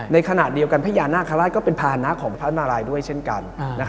ในขณะเดียวกันพญานาคาราชก็เป็นภานะของพระนารายด้วยเช่นกัน